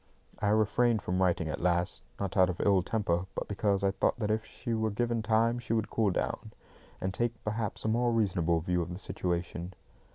I refrained from writing at last, not out of ill temper, but because I thought that if she were given time she would cool down, and take, perhaps, a more reasonable view of the situation.